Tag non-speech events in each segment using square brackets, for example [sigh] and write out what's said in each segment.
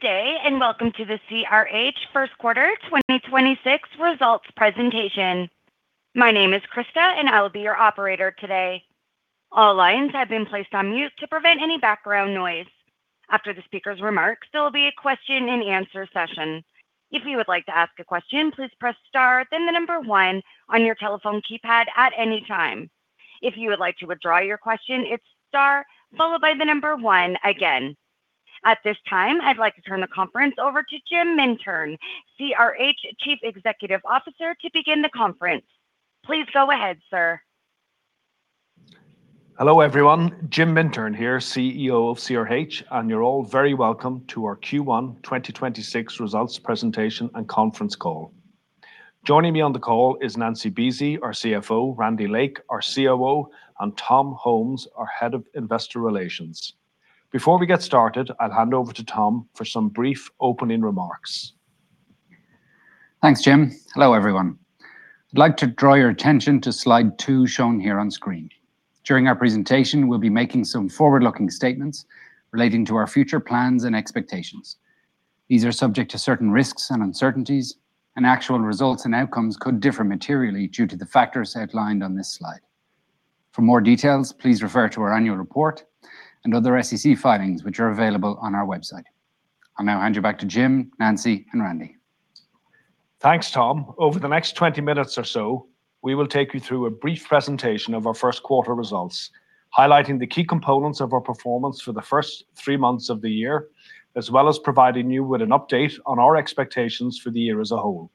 Good day, and welcome to the CRH First Quarter 2026 Results Presentation. My name is Krista and I will be your operator today. All lines have been placed on mute to prevent any background noise. After the speaker's remarks, there will be a question-and-answer session. If you would like to ask a question, please press star then the number one on your telephone keypad at any time. If you would like to withdraw your question, it's star followed by the number one again. At this time, I'd like to turn the conference over to Jim Mintern, CRH Chief Executive Officer, to begin the conference. Please go ahead, sir. Hello, everyone. Jim Mintern here, CEO of CRH. You're all very welcome to our Q1 2026 results presentation and conference call. Joining me on the call is Nancy Buese, our CFO, Randy Lake, our COO, and Tom Holmes, our Head of Investor Relations. Before we get started, I'll hand over to Tom for some brief opening remarks. Thanks, Jim. Hello, everyone. I'd like to draw your attention to slide two shown here on screen. During our presentation, we'll be making some forward-looking statements relating to our future plans and expectations. These are subject to certain risks and uncertainties, and actual results and outcomes could differ materially due to the factors outlined on this slide. For more details, please refer to our annual report and other SEC filings which are available on our website. I'll now hand you back to Jim, Nancy, and Randy. Thanks, Tom. Over the next 20 minutes or so, we will take you through a brief presentation of our first quarter results, highlighting the key components of our performance for the first three months of the year, as well as providing you with an update on our expectations for the year as a whole.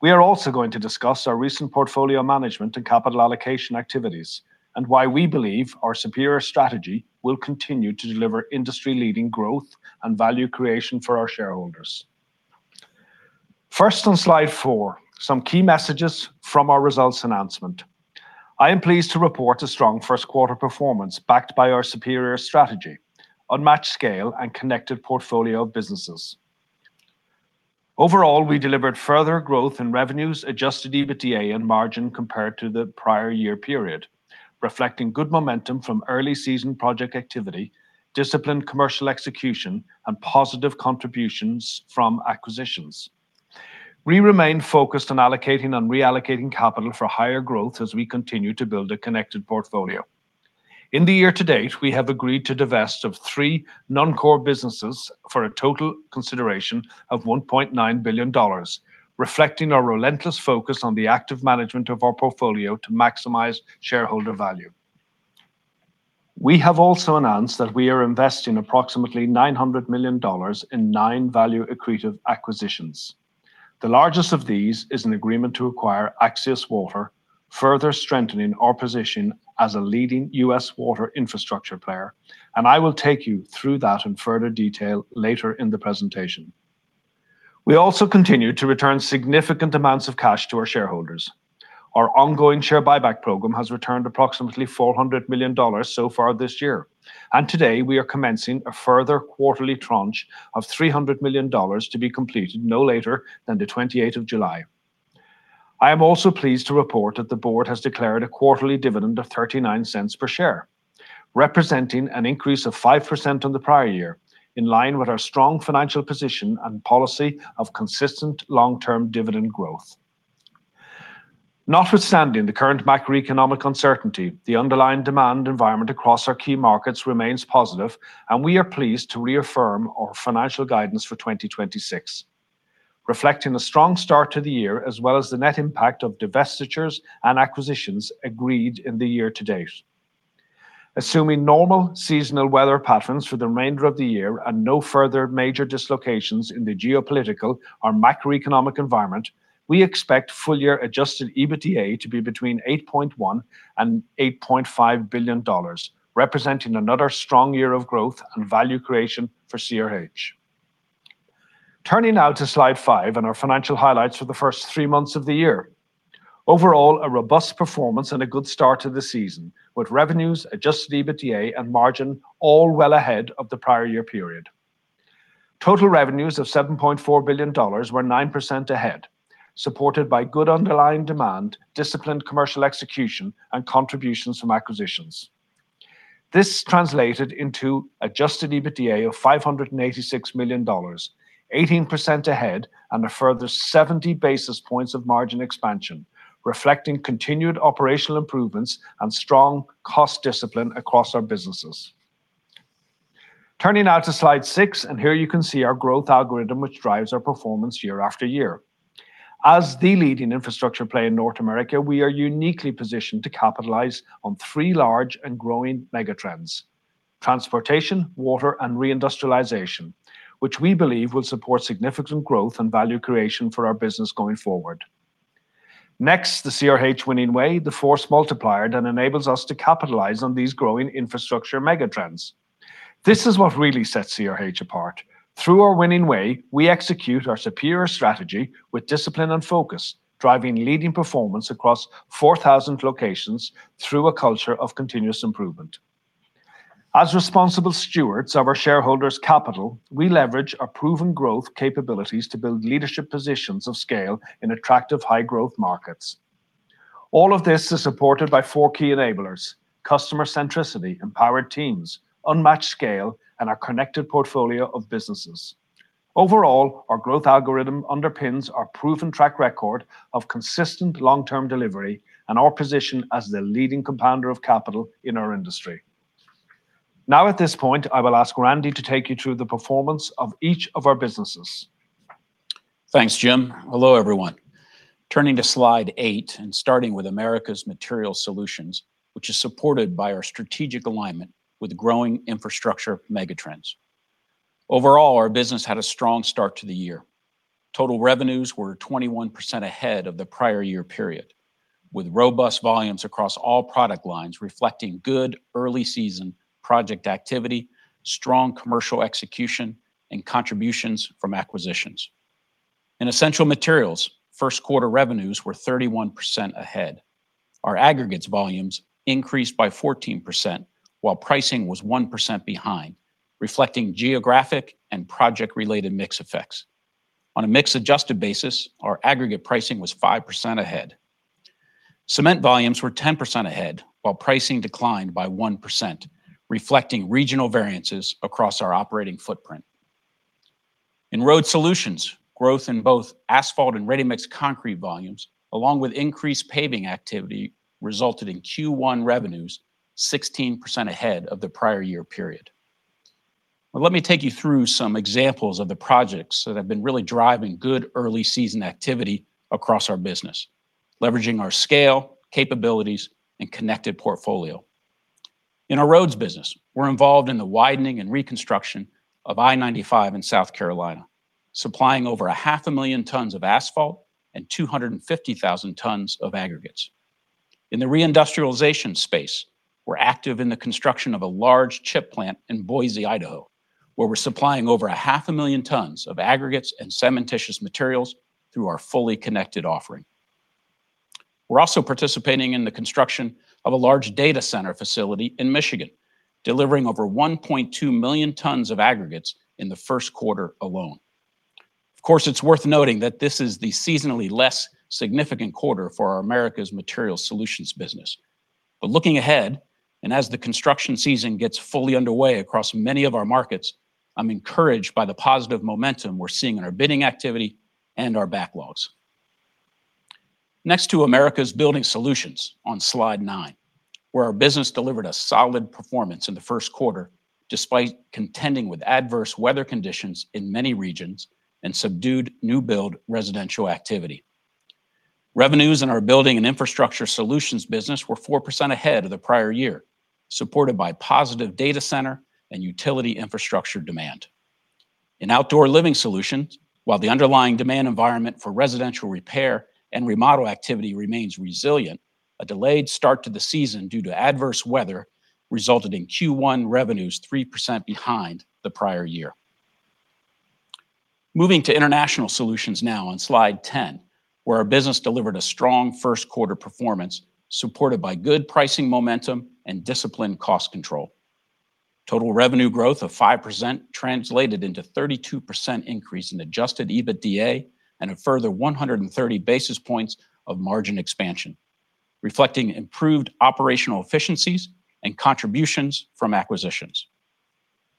We are also going to discuss our recent portfolio management and capital allocation activities and why we believe our superior strategy will continue to deliver industry-leading growth and value creation for our shareholders. First, on slide four, some key messages from our results announcement. I am pleased to report a strong first quarter performance backed by our superior strategy, unmatched scale, and connected portfolio of businesses. Overall, we delivered further growth in revenues, adjusted EBITDA and margin compared to the prior year period, reflecting good momentum from early-season project activity, disciplined commercial execution, and positive contributions from acquisitions. We remain focused on allocating and reallocating capital for higher growth as we continue to build a connected portfolio. In the year to date, we have agreed to divest of three non-core businesses for a total consideration of $1.9 billion, reflecting our relentless focus on the active management of our portfolio to maximize shareholder value. We have also announced that we are investing approximately $900 million in nine value accretive acquisitions. The largest of these is an agreement to acquire Axius Water, further strengthening our position as a leading U.S. water infrastructure player, and I will take you through that in further detail later in the presentation. We also continue to return significant amounts of cash to our shareholders. Our ongoing share buyback program has returned approximately $400 million so far this year. Today, we are commencing a further quarterly tranche of $300 million to be completed no later than the 28th of July. I am also pleased to report that the board has declared a quarterly dividend of $0.39 per share, representing an increase of 5% on the prior year in line with our strong financial position and policy of consistent long-term dividend growth. Notwithstanding the current macroeconomic uncertainty, the underlying demand environment across our key markets remains positive, and we are pleased to reaffirm our financial guidance for 2026, reflecting a strong start to the year as well as the net impact of divestitures and acquisitions agreed in the year to date. Assuming normal seasonal weather patterns for the remainder of the year and no further major dislocations in the geopolitical or macroeconomic environment, we expect full-year adjusted EBITDA to be between $8.1 billion and $8.5 billion, representing another strong year of growth and value creation for CRH. Turning now to slide five and our financial highlights for the first three months of the year. Overall, a robust performance and a good start to the season with revenues, adjusted EBITDA, and margin all well ahead of the prior year period. Total revenues of $7.4 billion were 9% ahead, supported by good underlying demand, disciplined commercial execution, and contributions from acquisitions. This translated into adjusted EBITDA of $586 million, 18% ahead and a further 70 basis points of margin expansion, reflecting continued operational improvements and strong cost discipline across our businesses. Turning now to slide six, and here you can see our growth algorithm which drives our performance year after year. As the leading infrastructure play in North America, we are uniquely positioned to capitalize on three large and growing megatrends, transportation, water, and reindustrialization, which we believe will support significant growth and value creation for our business going forward. Next, the CRH Winning Way, the force multiplier that enables us to capitalize on these growing infrastructure megatrends. This is what really sets CRH apart. Through our Winning Way, we execute our superior strategy with discipline and focus, driving leading performance across 4,000 locations through a culture of continuous improvement. As responsible stewards of our shareholders' capital, we leverage our proven growth capabilities to build leadership positions of scale in attractive high-growth markets. All of this is supported by four key enablers: customer centricity, empowered teams, unmatched scale, and our connected portfolio of businesses. Overall, our growth algorithm underpins our proven track record of consistent long-term delivery and our position as the leading compounder of capital in our industry. Now at this point, I will ask Randy to take you through the performance of each of our businesses. Thanks, Jim. Hello, everyone. Turning to slide eight and starting with Americas Materials Solutions, which is supported by our strategic alignment with growing infrastructure megatrends. Overall, our business had a strong start to the year. Total revenues were 21% ahead of the prior year period, with robust volumes across all product lines reflecting good early season project activity, strong commercial execution, and contributions from acquisitions. In essential materials, first quarter revenues were 31% ahead. Our aggregates volumes increased by 14%, while pricing was 1% behind, reflecting geographic and project-related mix effects. On a mix-adjusted basis, our aggregate pricing was 5% ahead. Cement volumes were 10% ahead, while pricing declined by 1%, reflecting regional variances across our operating footprint. In Road Solutions, growth in both asphalt and ready-mix concrete volumes, along with increased paving activity, resulted in Q1 revenues 16% ahead of the prior year period. Let me take you through some examples of the projects that have been really driving good early season activity across our business, leveraging our scale, capabilities, and connected portfolio. In our roads business, we're involved in the widening and reconstruction of I-95 in South Carolina, supplying over 500,000 tons of asphalt and 250,000 tons of aggregates. In the reindustrialization space, we're active in the construction of a large chip plant in Boise, Idaho, where we're supplying over 500,000 tons of aggregates and cementitious materials through our fully connected offering. We're also participating in the construction of a large data center facility in Michigan, delivering over 1.2 million tons of aggregates in the first quarter alone. Of course, it's worth noting that this is the seasonally less significant quarter for our Americas Materials Solutions business. Looking ahead, and as the construction season gets fully underway across many of our markets, I'm encouraged by the positive momentum we're seeing in our bidding activity and our backlogs. Next to Americas Building Solutions on slide nine, where our business delivered a solid performance in the first quarter, despite contending with adverse weather conditions in many regions and subdued new build residential activity. Revenues in our building and infrastructure solutions business were 4% ahead of the prior year, supported by positive data center and utility infrastructure demand. In outdoor living solutions, while the underlying demand environment for residential repair and remodel activity remains resilient, a delayed start to the season due to adverse weather resulted in Q1 revenues 3% behind the prior year. Moving to International Solutions now on slide 10, where our business delivered a strong first quarter performance, supported by good pricing momentum and disciplined cost control. Total revenue growth of 5% translated into 32% increase in adjusted EBITDA and a further 130 basis points of margin expansion, reflecting improved operational efficiencies and contributions from acquisitions.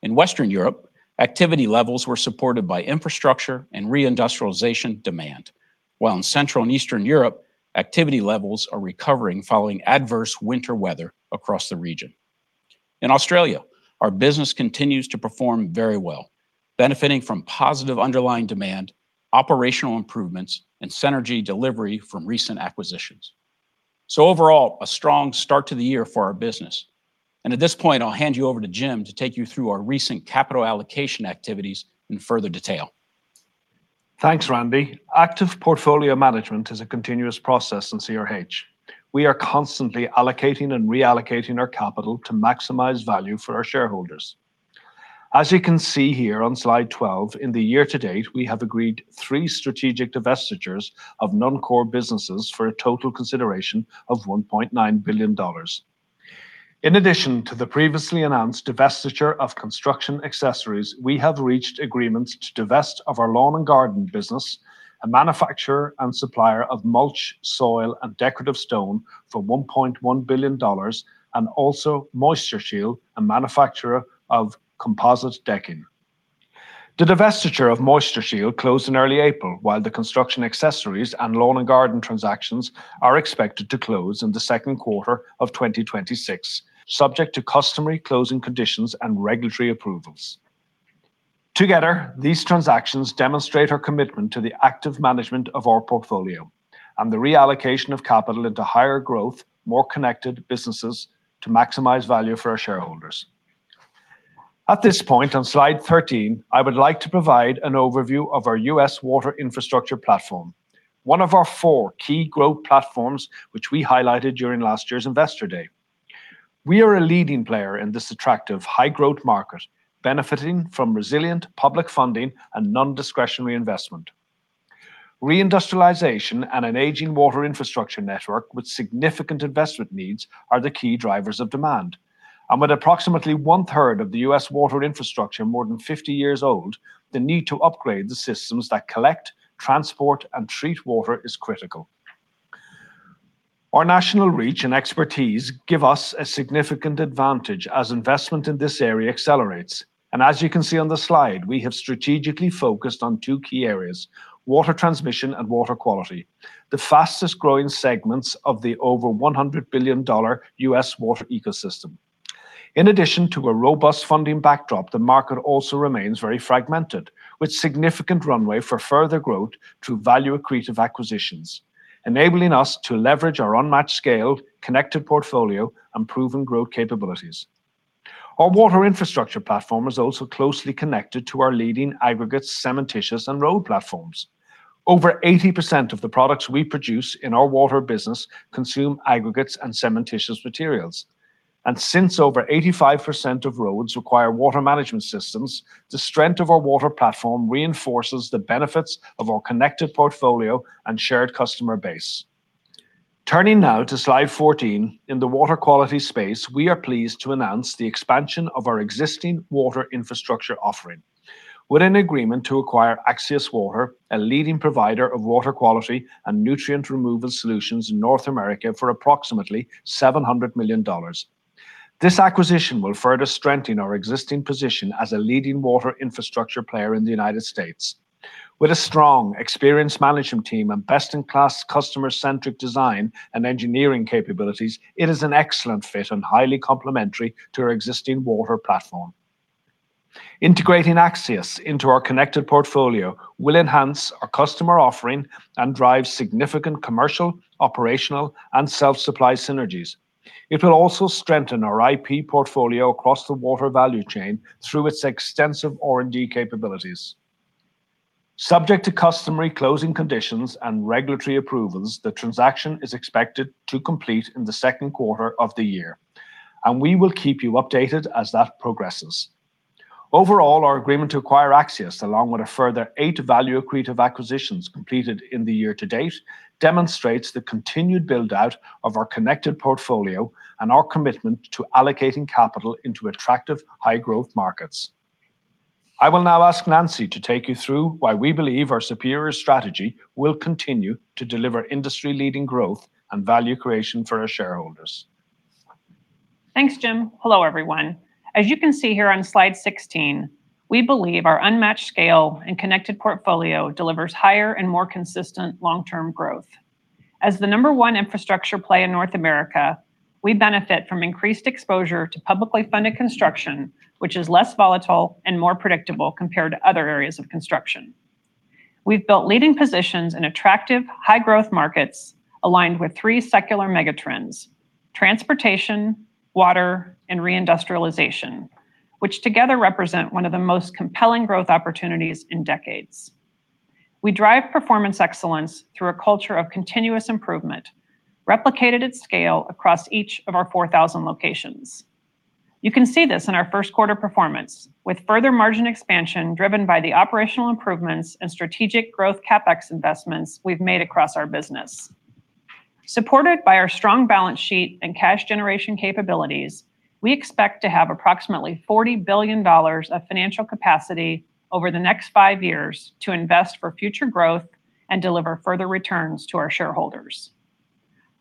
In Western Europe, activity levels were supported by infrastructure and reindustrialization demand, while in Central and Eastern Europe, activity levels are recovering following adverse winter weather across the region. In Australia, our business continues to perform very well, benefiting from positive underlying demand, operational improvements, and synergy delivery from recent acquisitions. Overall, a strong start to the year for our business. At this point, I'll hand you over to Jim to take you through our recent capital allocation activities in further detail. Thanks, Randy. Active portfolio management is a continuous process in CRH. We are constantly allocating and reallocating our capital to maximize value for our shareholders. As you can see here on slide 12, in the year to date, we have agreed three strategic divestitures of non-core businesses for a total consideration of $1.9 billion. In addition to the previously announced divestiture of construction accessories, we have reached agreements to divest of our lawn and garden business, a manufacturer and supplier of mulch, soil, and decorative stone for $1.1 billion, and also MoistureShield, a manufacturer of composite decking. The divestiture of MoistureShield closed in early April, while the construction accessories and lawn and garden transactions are expected to close in the second quarter of 2026, subject to customary closing conditions and regulatory approvals. Together, these transactions demonstrate our commitment to the active management of our portfolio and the reallocation of capital into higher growth, more connected businesses to maximize value for our shareholders. At this point on slide 13, I would like to provide an overview of our U.S. water infrastructure platform, one of our four key growth platforms which we highlighted during last year's Investor Day. We are a leading player in this attractive high-growth market, benefiting from resilient public funding and non-discretionary investment. Reindustrialization and an aging water infrastructure network with significant investment needs are the key drivers of demand. With approximately one third of the U.S. water infrastructure more than 50 years old, the need to upgrade the systems that collect, transport, and treat water is critical. Our national reach and expertise give us a significant advantage as investment in this area accelerates. As you can see on the slide, we have strategically focused on two key areas, water transmission and water quality, the fastest growing segments of the over $100 billion U.S. water ecosystem. In addition to a robust funding backdrop, the market also remains very fragmented, with significant runway for further growth through value accretive acquisitions, enabling us to leverage our unmatched scale, connected portfolio, and proven growth capabilities. Our water infrastructure platform is also closely connected to our leading aggregates, cementitious, and road platforms. Over 80% of the products we produce in our water business consume aggregates and cementitious materials. Since over 85% of roads require water management systems, the strength of our water platform reinforces the benefits of our connected portfolio and shared customer base. Turning now to slide 14, in the water quality space, we are pleased to announce the expansion of our existing water infrastructure offering. With an agreement to acquire Axius Water, a leading provider of water quality and nutrient removal solutions in North America for approximately $700 million. This acquisition will further strengthen our existing position as a leading water infrastructure player in the United States. With a strong, experienced management team and best-in-class customer-centric design and engineering capabilities, it is an excellent fit and highly complementary to our existing water platform. Integrating Axius into our connected portfolio will enhance our customer offering and drive significant commercial, operational, and self-supply synergies. It will also strengthen our IP portfolio across the water value chain through its extensive R&D capabilities. Subject to customary closing conditions and regulatory approvals, the transaction is expected to complete in the second quarter of the year. We will keep you updated as that progresses. Overall, our agreement to acquire Axius Water, along with a further eight value accretive acquisitions completed in the year to date, demonstrates the continued build-out of our connected portfolio and our commitment to allocating capital into attractive high-growth markets. I will now ask Nancy to take you through why we believe our superior strategy will continue to deliver industry-leading growth and value creation for our shareholders. Thanks, Jim. Hello, everyone. As you can see here on slide 16, we believe our unmatched scale and connected portfolio delivers higher and more consistent long-term growth. As the number one infrastructure player in North America, we benefit from increased exposure to publicly funded construction, which is less volatile and more predictable compared to other areas of construction. We've built leading positions in attractive high-growth markets aligned with three secular mega trends, transportation, water, and re-industrialization, which together represent one of the most compelling growth opportunities in decades. We drive performance excellence through a culture of continuous improvement, replicated at scale across each of our 4,000 locations. You can see this in our first quarter performance; with further margin expansion driven by the operational improvements and strategic growth CapEx investments we've made across our business. Supported by our strong balance sheet and cash generation capabilities, we expect to have approximately $40 billion of financial capacity over the next five years to invest for future growth and deliver further returns to our shareholders.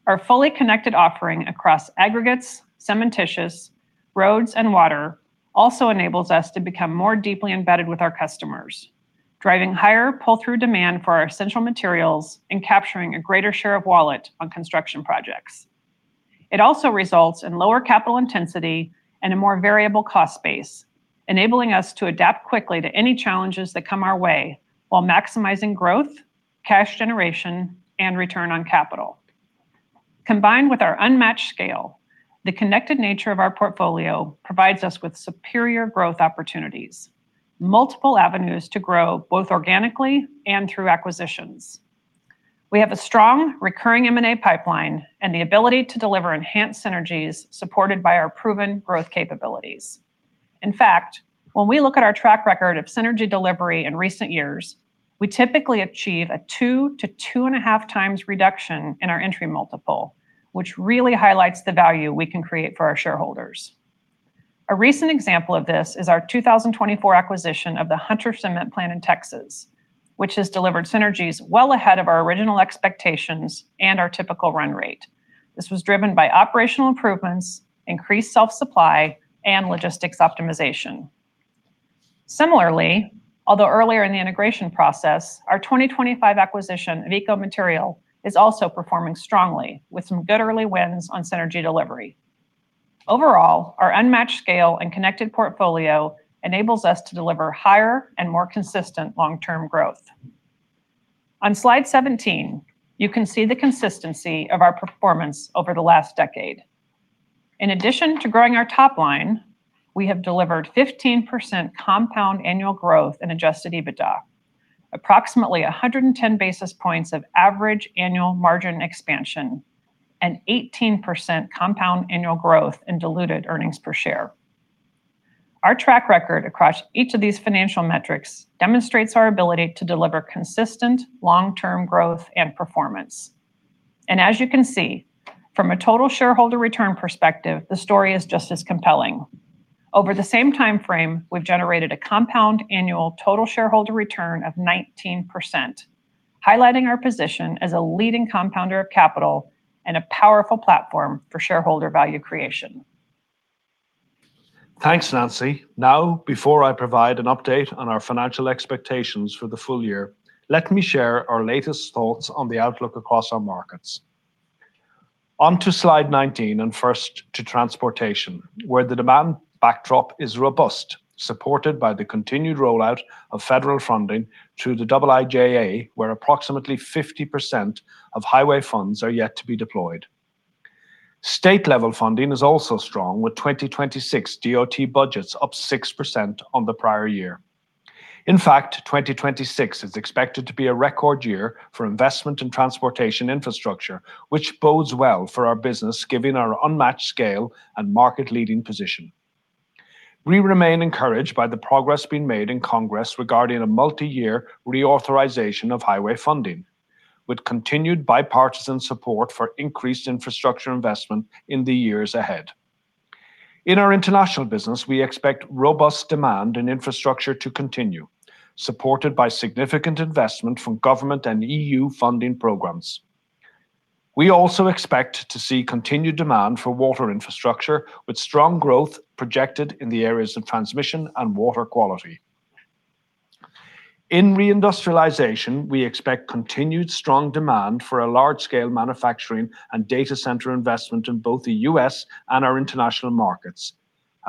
Our fully connected offering across aggregates, cementitious, roads, and water also enables us to become more deeply embedded with our customers, driving higher pull-through demand for our essential materials and capturing a greater share of wallet on construction projects. It also results in lower capital intensity and a more variable cost base, enabling us to adapt quickly to any challenges that come our way while maximizing growth, cash generation, and return on capital. Combined with our unmatched scale, the connected nature of our portfolio provides us with superior growth opportunities, multiple avenues to grow both organically and through acquisitions. We have a strong recurring M&A pipeline and the ability to deliver enhanced synergies supported by our proven growth capabilities. In fact, when we look at our track record of synergy delivery in recent years, we typically achieve a 2x-2.5x reduction in our entry multiple, which really highlights the value we can create for our shareholders. A recent example of this is our 2024 acquisition of the Hunter Cement Plant in Texas, which has delivered synergies well ahead of our original expectations and our typical run rate. This was driven by operational improvements, increased self-supply, and logistics optimization. Similarly, although earlier in the integration process, our 2025 acquisition of Eco Material is also performing strongly, with some good early wins on synergy delivery. Overall, our unmatched scale and connected portfolio enables us to deliver higher and more consistent long-term growth. On slide 17, you can see the consistency of our performance over the last decade. In addition to growing our top line, we have delivered 15% compound annual growth in adjusted EBITDA, approximately 110 basis points of average annual margin expansion, and 18% compound annual growth in diluted earnings per share. Our track record across each of these financial metrics demonstrates our ability to deliver consistent long-term growth and performance. As you can see, from a total shareholder return perspective, the story is just as compelling. Over the same timeframe, we've generated a compound annual total shareholder return of 19%, highlighting our position as a leading compounder of capital and a powerful platform for shareholder value creation. Thanks, Nancy. Before I provide an update on our financial expectations for the full year, let me share our latest thoughts on the outlook across our markets. Onto slide 19, first to transportation, where the demand backdrop is robust, supported by the continued rollout of federal funding through the IIJA, where approximately 50% of highway funds are yet to be deployed. State-level funding is also strong, with 2026 DOT budgets up 6% on the prior year. In fact, 2026 is expected to be a record year for investment in transportation infrastructure, which bodes well for our business, given our unmatched scale and market-leading position. We remain encouraged by the progress being made in Congress regarding a multi-year reauthorization of highway funding, with continued bipartisan support for increased infrastructure investment in the years ahead. In our international business, we expect robust demand and infrastructure to continue, supported by significant investment from government and EU funding programs. We also expect to see continued demand for water infrastructure, with strong growth projected in the areas of transmission and water quality. In reindustrialization, we expect continued strong demand for a large-scale manufacturing and data center investment in both the U.S. and our international markets.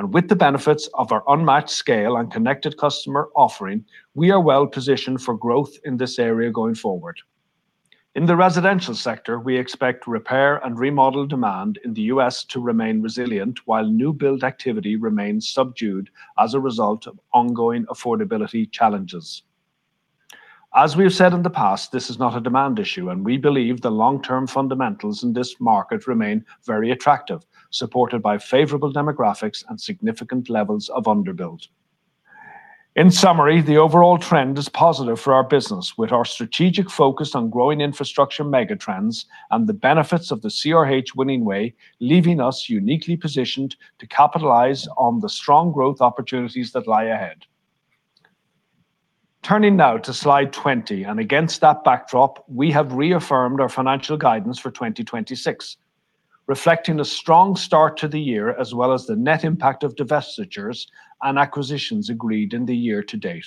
With the benefits of our unmatched scale and connected customer offering, we are well-positioned for growth in this area going forward. In the residential sector, we expect repair and remodel demand in the U.S. to remain resilient, while new build activity remains subdued as a result of ongoing affordability challenges. As we have said in the past, this is not a demand issue, and we believe the long-term fundamentals in this market remain very attractive, supported by favorable demographics and significant levels of underbuild. In summary, the overall trend is positive for our business, with our strategic focus on growing infrastructure mega trends and the benefits of the CRH Winning Way leaving us uniquely positioned to capitalize on the strong growth opportunities that lie ahead. Turning now to slide 20. Against that backdrop, we have reaffirmed our financial guidance for 2026, reflecting a strong start to the year as well as the net impact of divestitures and acquisitions agreed in the year to date.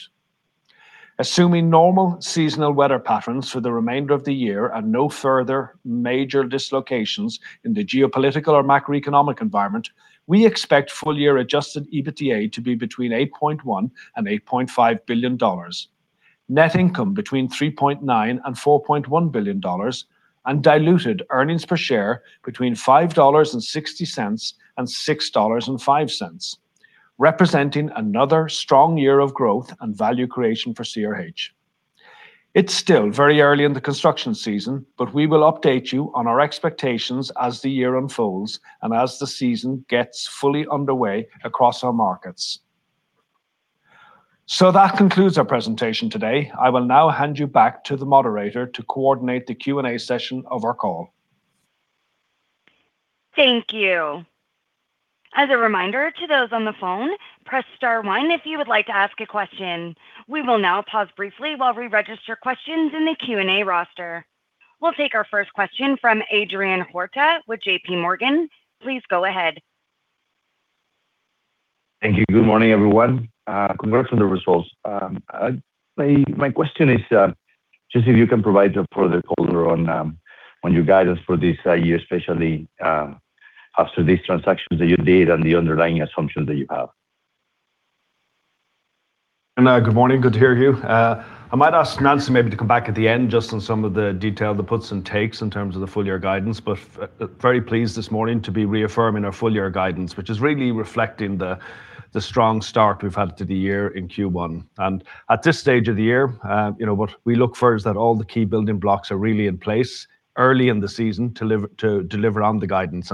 Assuming normal seasonal weather patterns for the remainder of the year and no further major dislocations in the geopolitical or macroeconomic environment, we expect full-year adjusted EBITDA to be between $8.1 billion and $8.5 billion. Net income between $3.9 billion and $4.1 billion and diluted earnings per share between $5.60 and $6.05, representing another strong year of growth and value creation for CRH. It's still very early in the construction season but we will update you on our expectations as the year unfolds and as the season gets fully underway across our markets. That concludes our presentation today. I will now hand you back to the moderator to coordinate the Q&A session of our call. Thank you. As a reminder to those on the phone, press star one if you would like to ask a question. We will now pause briefly while we register questions in the Q&A roster. We'll take our first question from Adrian Huerta with JPMorgan. Please go ahead. Thank you. Good morning, everyone. Congrats on the results. My question is just if you can provide a further color on your guidance for this year, especially after these transactions that you did and the underlying assumption that you have? Good morning. Good to hear you. I might ask Nancy maybe to come back at the end just on some of the detail, the puts and takes in terms of the full-year guidance. Very pleased this morning to be reaffirming our full-year guidance, which is really reflecting the strong start we've had to the year in Q1. At this stage of the year, you know, what we look for is that all the key building blocks are really in place early in the season to deliver on the guidance.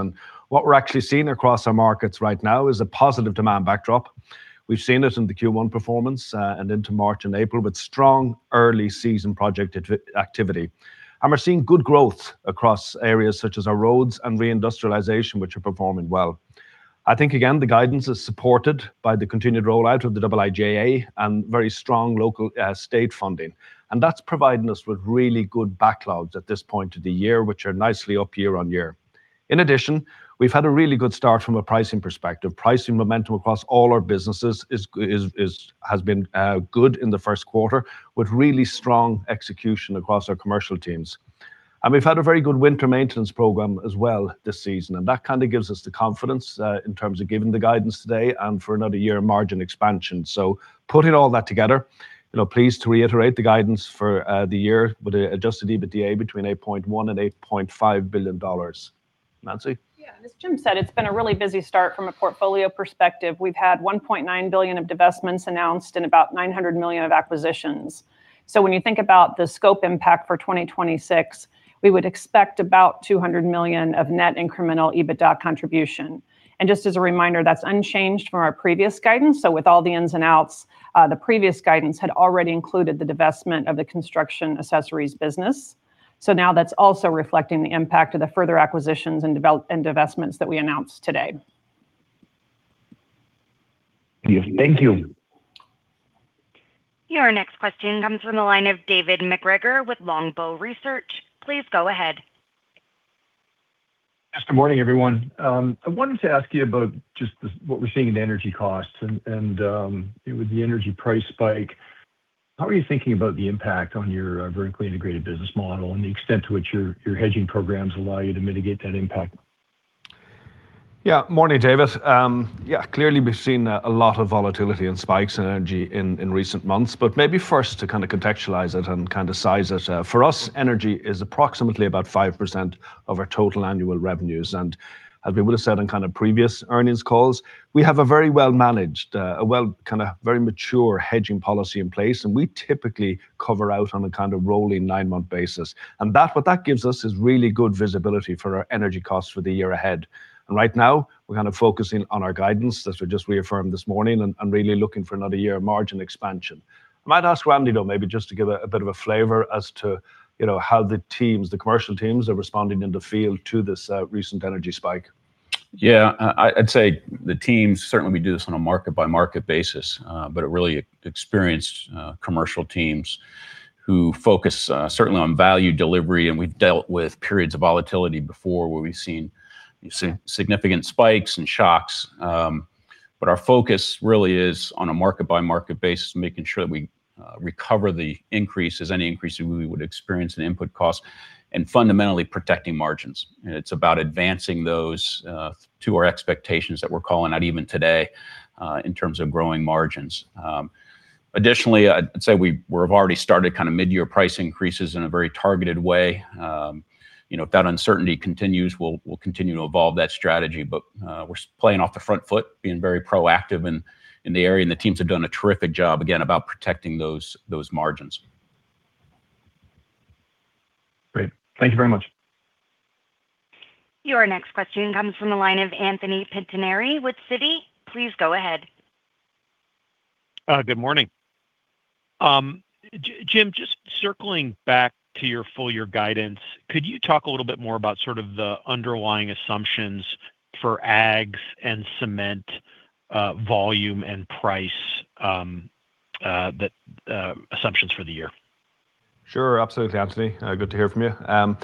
What we're actually seeing across our markets right now is a positive demand backdrop. We've seen it in the Q1 performance and into March and April with strong early season project activity. We're seeing good growth across areas such as our roads and reindustrialization, which are performing well. I think, again, the guidance is supported by the continued rollout of the IIJA and very strong local state funding. That's providing us with really good backlogs at this point of the year, which are nicely up year-over-year. In addition, we've had a really good start from a pricing perspective. Pricing momentum across all our businesses has been good in the first quarter with really strong execution across our commercial teams. We've had a very good winter maintenance program as well this season, and that kind of gives us the confidence in terms of giving the guidance today and for another year of margin expansion. Putting all that together, you know, pleased to reiterate the guidance for the year with an adjusted EBITDA between $8.1 billion and $8.5 billion. Nancy? Yeah, as Jim said, it's been a really busy start from a portfolio perspective. We've had $1.9 billion of divestments announced and about $900 million of acquisitions. When you think about the scope impact for 2026, we would expect about $200 million of net incremental EBITDA contribution. Just as a reminder, that's unchanged from our previous guidance. With all the ins and outs, the previous guidance had already included the divestment of the construction accessories business. Now that's also reflecting the impact of the further acquisitions and divestments that we announced today. Yes, thank you. Your next question comes from the line of David MacGregor with Longbow Research. Please go ahead. Yes, good morning, everyone. I wanted to ask you about just the, what we're seeing in the energy costs and, with the energy price spike. How are you thinking about the impact on your vertically integrated business model and the extent to which your hedging programs allow you to mitigate that impact? Morning, David. Clearly we've seen a lot of volatility and spikes in energy in recent months. Maybe first to kind of contextualize it and kind of size it for us, energy is approximately about 5% of our total annual revenues. As we would've said in kind of previous earnings calls, we have a very well managed, a well kind of very mature hedging policy in place, and we typically cover out on a kind of rolling nine-month basis. What that gives us is really good visibility for our energy costs for the year ahead. Right now, we're kind of focusing on our guidance as we just reaffirmed this morning and really looking for another year of margin expansion. I might ask Randy, though, maybe just to give a bit of a flavor as to, you know, how the teams, the commercial teams are responding in the field to this recent energy spike. I'd say the teams, certainly we do this on a market by market basis, but a really experienced commercial teams who focus certainly on value delivery. We've dealt with periods of volatility before where we've seen significant spikes and shocks. Our focus really is on a market by market basis, making sure that we recover the increases, any increases we would experience in input costs and fundamentally protecting margins. It's about advancing those to our expectations that we're calling out even today in terms of growing margins. Additionally, I'd say we've already started kind of midyear price increases in a very targeted way. You know, if that uncertainty continues, we'll continue to evolve that strategy. We're playing off the front foot being very proactive in the area, and the teams have done a terrific job, again, about protecting those margins. Great. Thank you very much. Your next question comes from the line of Anthony Pettinari with Citi. Please go ahead. Good morning. Jim, just circling back to your full year guidance, could you talk a little bit more about sort of the underlying assumptions for aggs and cement, volume and price, that assumptions for the year? Sure, absolutely, Anthony. Good to hear from you.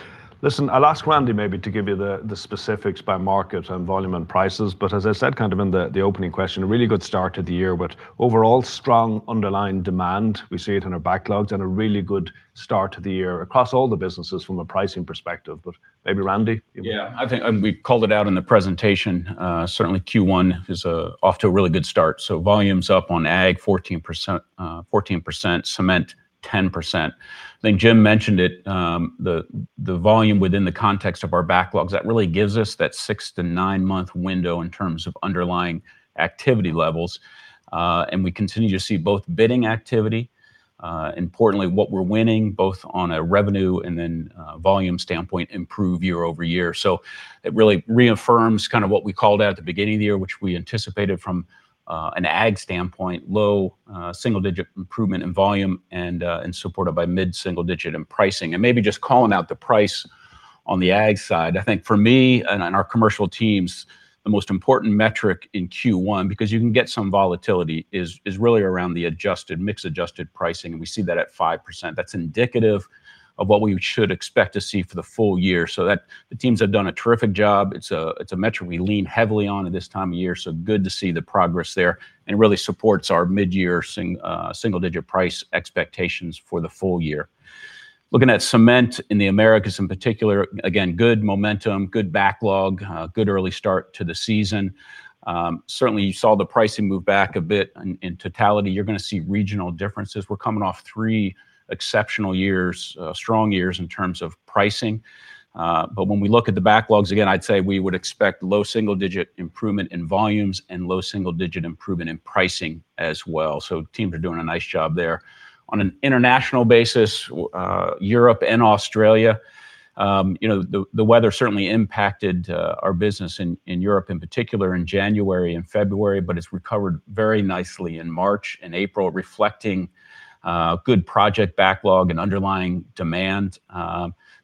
Listen, I'll ask Randy maybe to give you the specifics by market and volume and prices. As I said, kind of in the opening question, a really good start to the year. Overall strong underlying demand. We see it in our backlogs and a really good start to the year across all the businesses from a pricing perspective. Maybe Randy, if. [crosstalk] Yeah. We called it out in the presentation. Certainly, Q1 is off to a really good start. Volume's up on agg 14%, 14%, cement 10%. I think Jim mentioned it. The volume within the context of our backlogs, that really gives us that six-to-nine-month window in terms of underlying activity levels. We continue to see both bidding activity, importantly what we're winning both on a revenue and then volume standpoint improve year-over-year. It really reaffirms kind of what we called out at the beginning of the year, which we anticipated from an agg standpoint, low single-digit improvement in volume and supported by mid-single-digit in pricing. Maybe just calling out the price on the agg side. I think for me and our commercial teams, the most important metric in Q1, because you can get some volatility, is really around the adjusted, mix adjusted pricing, we see that at 5%. That's indicative of what we should expect to see for the full year. That the teams have done a terrific job. It's a metric we lean heavily on at this time of year, good to see the progress there, really supports our mid-single digit price expectations for the full year. Looking at cement in the Americas in particular, again, good momentum, good backlog, good early start to the season. Certainly you saw the pricing move back a bit in totality. You're gonna see regional differences. We're coming off three exceptional years, strong years in terms of pricing. When we look at the backlogs, again, I'd say we would expect low single-digit improvement in volumes and low single-digit improvement in pricing as well. Teams are doing a nice job there. On an international basis, Europe and Australia, you know, the weather certainly impacted our business in Europe, in particular in January and February, but it's recovered very nicely in March and April, reflecting good project backlog and underlying demand.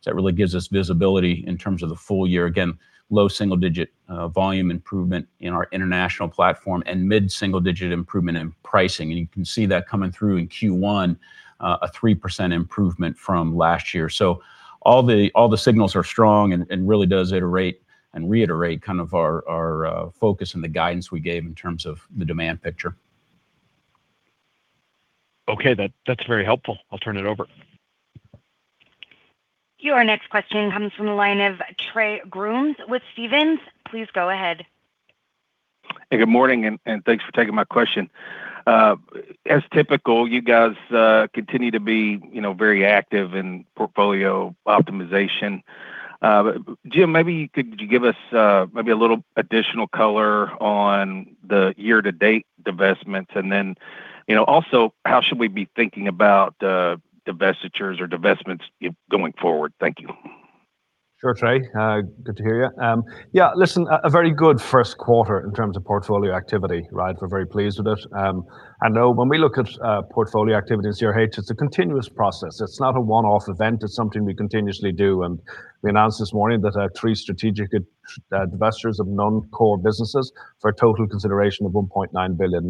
That really gives us visibility in terms of the full year. Again, low single-digit volume improvement in our international platform and mid-single-digit improvement in pricing. You can see that coming through in Q1, a 3% improvement from last year. All the signals are strong and really does iterate and reiterate kind of our focus and the guidance we gave in terms of the demand picture. Okay. That's very helpful. I'll turn it over. Your next question comes from the line of Trey Grooms with Stephens. Please go ahead. Good morning and thanks for taking my question. As typical, you guys continue to be, you know, very active in portfolio optimization. Jim, maybe could you give us a little additional color on the year-to-date divestments? You know, also, how should we be thinking about divestitures or divestments going forward? Thank you. Sure, Trey. Good to hear you. Yeah, listen, a very good first quarter in terms of portfolio activity, right? We're very pleased with it. I know when we look at portfolio activity at CRH, it's a continuous process. It's not a one-off event, it's something we continuously do. And we announced this morning that our three strategic divestitures of non-core businesses for a total consideration of $1.9 billion.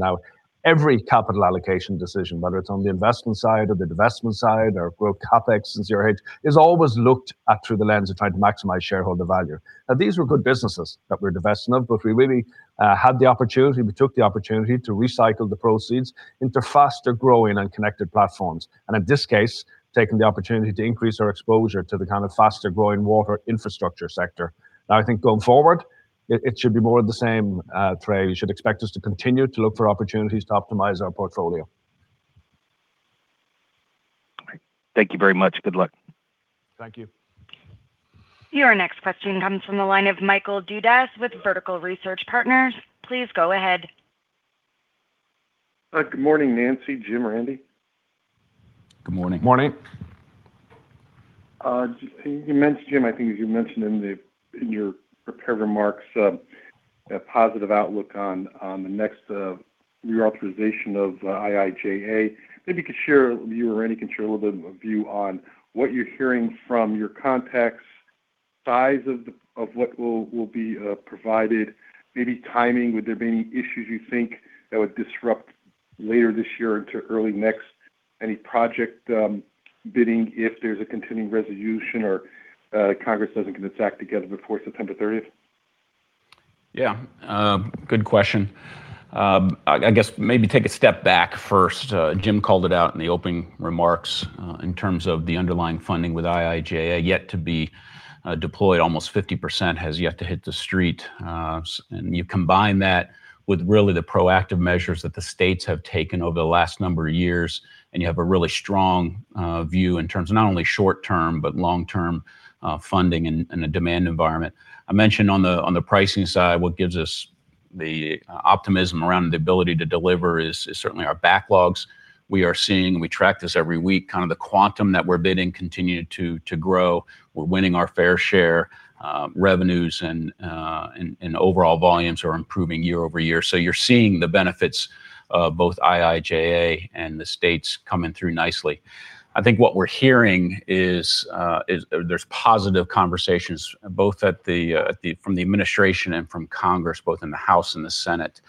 Now, every capital allocation decision, whether it's on the investment side or the divestment side or grow CapEx in CRH, is always looked at through the lens of trying to maximize shareholder value. Now, these were good businesses that we're divesting of, but we really had the opportunity, we took the opportunity to recycle the proceeds into faster growing and connected platforms. In this case, taking the opportunity to increase our exposure to the kind of faster growing water infrastructure sector. I think going forward, it should be more of the same, Trey. You should expect us to continue to look for opportunities to optimize our portfolio. All right. Thank you very much. Good luck. Thank you. Your next question comes from the line of Michael Dudas with Vertical Research Partners. Please go ahead. Good morning, Nancy, Jim, Randy. Good morning. Morning. You mentioned, Jim, I think you mentioned in the, in your prepared remarks, a positive outlook on the next reauthorization of IIJA. Maybe you could share your view, or Randy can share a little bit of a view on what you're hearing from your contacts, size of the, of what will be provided, maybe timing. Would there be any issues you think that would disrupt later this year into early next? Any project bidding if there's a continuing resolution or Congress doesn't get its act together before September 30th? Yeah, good question. I guess maybe take a step back first. Jim called it out in the opening remarks, in terms of the underlying funding with IIJA yet to be deployed. Almost 50% has yet to hit the street. You combine that with really the proactive measures that the states have taken over the last number of years, and you have a really strong view in terms of not only short term, but long-term funding and the demand environment. I mentioned on the, on the pricing side, what gives us the optimism around the ability to deliver is certainly our backlogs. We are seeing, we track this every week, kind of the quantum that we're bidding continue to grow. We're winning our fair share. Revenues and overall volumes are improving year-over-year. You're seeing the benefits of both IIJA and the states coming through nicely. I think what we're hearing is there's positive conversations both at the, from the administration and from Congress, both in the House and the Senate.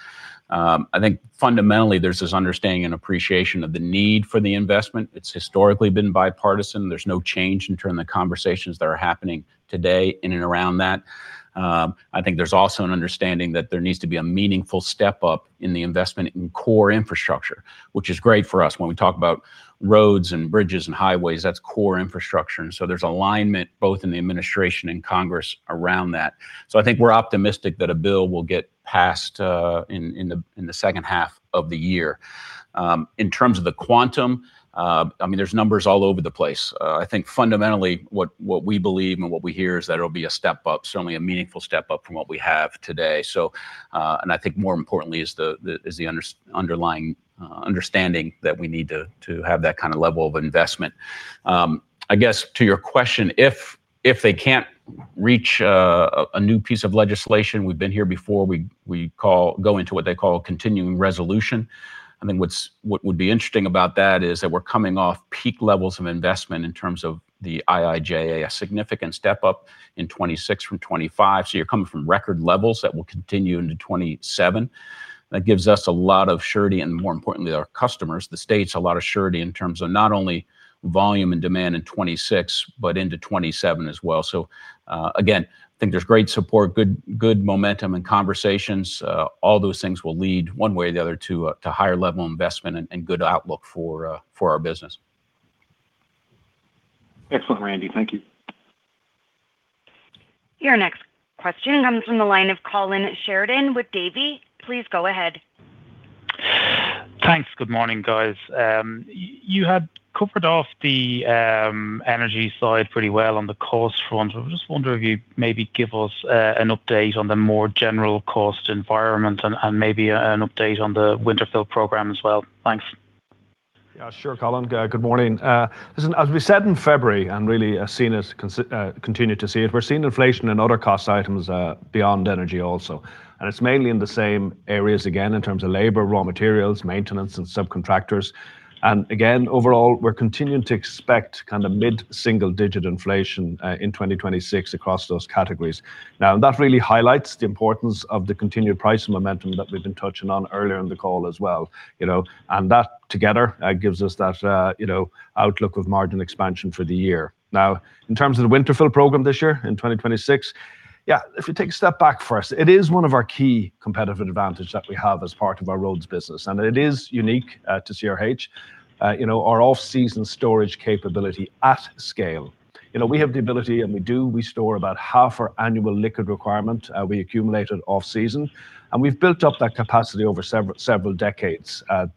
I think fundamentally there's this understanding and appreciation of the need for the investment. It's historically been bipartisan. There's no change in term of conversations that are happening today in and around that. I think there's also an understanding that there needs to be a meaningful step up in the investment in core infrastructure, which is great for us. When we talk about roads and bridges and highways, that's core infrastructure. There's alignment both in the administration and Congress around that. I think we're optimistic that a bill will get passed in the second half of the year. In terms of the quantum, I mean, there's numbers all over the place. I think fundamentally what we believe and what we hear is that it'll be a step up, certainly a meaningful step up from what we have today. And I think more importantly is the underlying understanding that we need to have that kind of level of investment. I guess to your question, if they can't reach a new piece of legislation, we've been here before, we go into what they call continuing resolution. I think what would be interesting about that is that we're coming off peak levels of investment in terms of the Infrastructure Investment and Jobs Act, a significant step up in 2026 from 2025. You're coming from record levels that will continue into 2027. That gives us a lot of surety and more importantly, our customers, the states, a lot of surety in terms of not only volume and demand in 2026, but into 2027 as well. Again, I think there's great support, good momentum and conversations. All those things will lead one way or the other to higher level investment and good outlook for our business. Excellent, Randy. Thank you. Your next question comes from the line of Colin Sheridan with Davy. Please go ahead. Thanks. Good morning, guys. You had covered off the energy side pretty well on the cost front. I just wonder if you'd maybe give us an update on the more general cost environment and maybe an update on the winter fill program as well. Thanks. Yeah, sure, Colin. Good morning. Listen, as we said in February, really have continued to see it, we're seeing inflation in other cost items beyond energy also. It's mainly in the same areas, again, in terms of labor, raw materials, maintenance, and subcontractors. Again, overall, we're continuing to expect kind of mid-single digit inflation in 2026 across those categories. Now, that really highlights the importance of the continued price momentum that we've been touching on earlier in the call as well, you know. That together gives us that, you know, outlook of margin expansion for the year. In terms of the winter fill program this year in 2026, yeah, if we take a step back first, it is one of our key competitive advantage that we have as part of our roads business, and it is unique to CRH. You know, our off-season storage capability at scale. You know, we have the ability, and we do, we store about half our annual liquid requirement, we accumulated off-season. We've built up that capacity over several decades at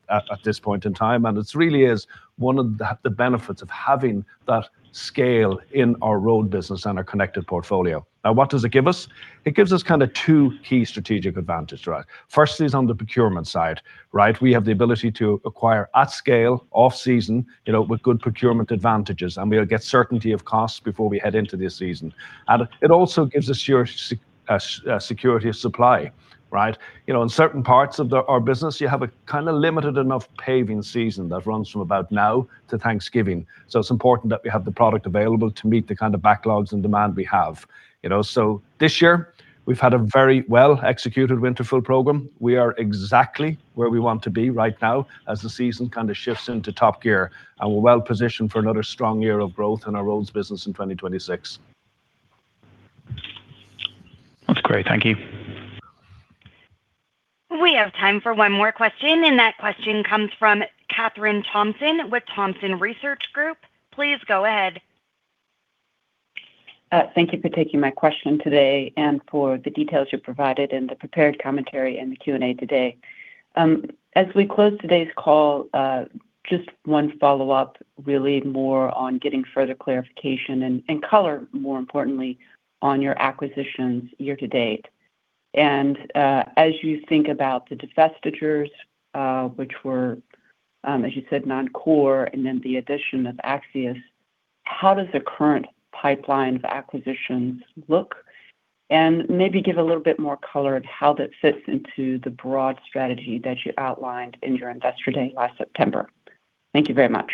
this point in time. It's really is one of the benefits of having that scale in our road business and our connected portfolio. What does it give us? It gives us kind of two key strategic advantage, right? Firstly, is on the procurement side, right? We have the ability to acquire at scale, off-season, you know, with good procurement advantages, and we'll get certainty of costs before we head into the season. It also gives us your security of supply, right? You know, in certain parts of our business, you have a kind of limited enough paving season that runs from about now to Thanksgiving. It's important that we have the product available to meet the kind of backlogs and demand we have, you know. This year we've had a very well-executed winter full program. We are exactly where we want to be right now as the season kind of shifts into top gear, and we're well-positioned for another strong year of growth in our roads business in 2026. That's great. Thank you. We have time for one more question, and that question comes from Kathryn Thompson with Thompson Research Group. Please go ahead. Thank you for taking my question today and for the details you provided and the prepared commentary and the Q&A today. As we close today's call, just one follow-up, really more on getting further clarification and color, more importantly, on your acquisitions year to date. As you think about the divestitures, which were, as you said, non-core, and then the addition of Axius, how does the current pipeline of acquisitions look? Maybe give a little bit more color of how that fits into the broad strategy that you outlined in your Investor Day last September. Thank you very much.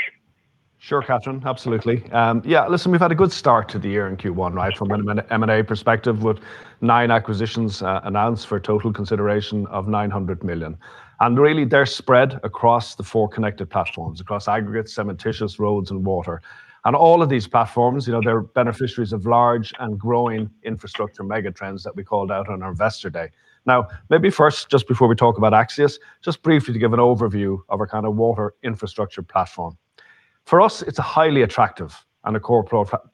Sure, Kathryn. Absolutely. Yeah, listen, we've had a good start to the year in Q1, right? From an M&A perspective, with nine acquisitions announced for a total consideration of $900 million. Really, they're spread across the four connected platforms: across aggregates, cementitious, roads, and water. All of these platforms, you know, they're beneficiaries of large and growing infrastructure mega trends that we called out on our Investor Day. Now, maybe first, just before we talk about Axius Water, just briefly to give an overview of our kind of water infrastructure platform. For us, it's a highly attractive and a core growth platform.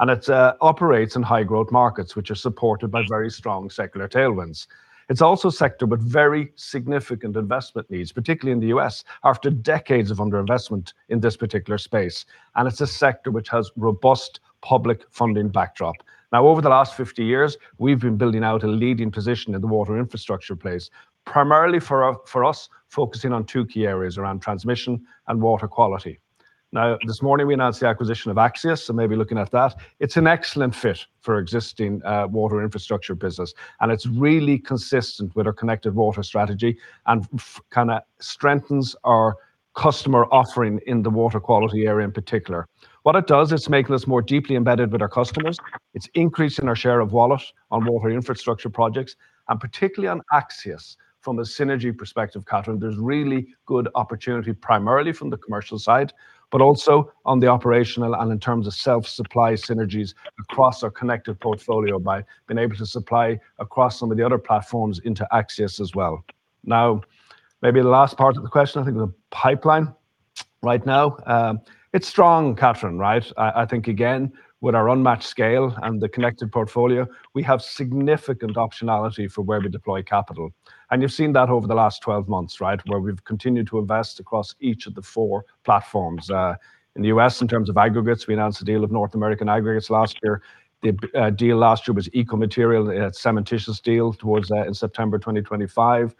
It operates in high growth markets, which are supported by very strong secular tailwinds. It's also a sector with very significant investment needs, particularly in the U.S., after decades of underinvestment in this particular space. It's a sector which has robust public funding backdrop. Now, over the last 50 years, we've been building out a leading position in the water infrastructure place, primarily for us, focusing on two key areas: around transmission and water quality. Now, this morning we announced the acquisition of Axius Water, so maybe looking at that. It's an excellent fit for existing water infrastructure business, and it's really consistent with our connected water strategy and kind of strengthens our customer offering in the water quality area in particular. What it does is make us more deeply embedded with our customers. It's increasing our share of wallet on water infrastructure projects, and particularly on Axius Water. From a synergy perspective, Kathryn, there's really good opportunity primarily from the commercial side, but also on the operational and in terms of self-supply synergies across our connected portfolio by being able to supply across some of the other platforms into Axius as well. Now, maybe the last part of the question, I think the pipeline right now, it's strong, Kathryn, right? I think, again, with our unmatched scale and the connected portfolio, we have significant optionality for where we deploy capital. You've seen that over the last 12 months, right? Where we've continued to invest across each of the four platforms. In the U.S., in terms of aggregates, we announced the deal of North American Aggregates last year. The deal last year was Eco Material, cementitious deal towards in September 2025.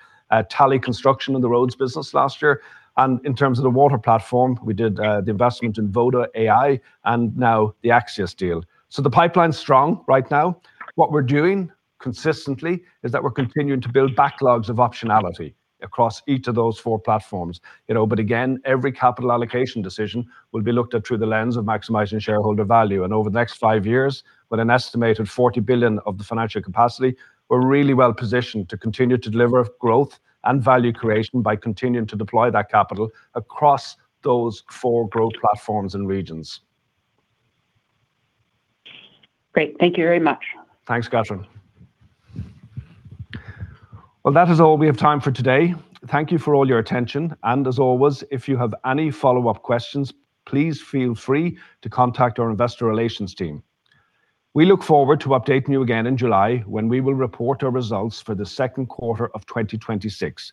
Talley Construction in the roads business last year. In terms of the water platform, we did the investment in VODA.ai and now the Axius Water deal. The pipeline's strong right now. What we're doing consistently is that we're continuing to build backlogs of optionality across each of those four platforms. You know, again, every capital allocation decision will be looked at through the lens of maximizing shareholder value. Over the next five years, with an estimated $40 billion of the financial capacity, we're really well-positioned to continue to deliver growth and value creation by continuing to deploy that capital across those four growth platforms and regions. Great. Thank you very much. Thanks, Kathryn. Well, that is all we have time for today. Thank you for all your attention. As always, if you have any follow-up questions, please feel free to contact our investor relations team. We look forward to updating you again in July when we will report our results for the second quarter of 2026.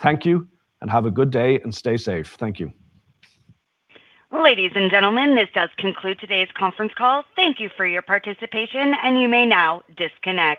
Thank you, and have a good day, and stay safe. Thank you. Ladies and gentlemen, this does conclude today's conference call. Thank you for your participation, and you may now disconnect.